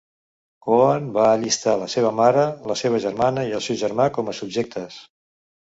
Coan va allistar la seva mare, la seva germana i el seu germà com a subjectes.